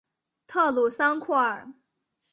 特鲁桑库尔。